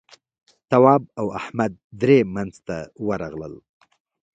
تواب او احمد درې مينځ ته ورغلل.